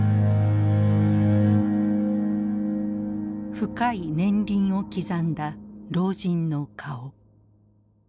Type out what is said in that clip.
深い年輪を刻んだ老人の顔。